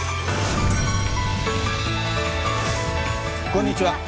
こんにちは。